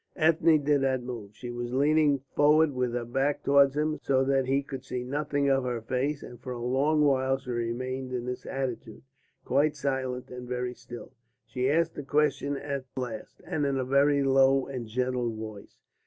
Ethne did not move. She was leaning forward with her back towards him, so that he could see nothing of her face, and for a long while she remained in this attitude, quite silent and very still. She asked a question at the last, and in a very low and gentle voice.